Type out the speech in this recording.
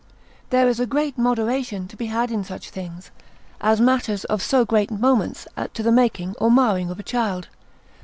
There is a great moderation to be had in such things, as matters of so great moment to the making or marring of a child.